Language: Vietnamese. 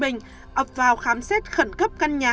ấp vào khám xét khẩn cấp căn nhà